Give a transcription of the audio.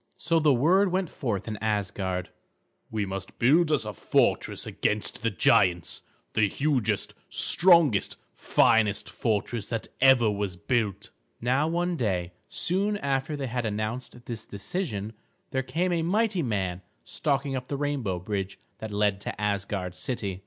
So the word went forth in Asgard: "We must build us a fortress against the giants; the hugest, strongest, finest fortress that ever was built." Now one day, soon after they had announced this decision, there came a mighty man stalking up the rainbow bridge that led to Asgard city.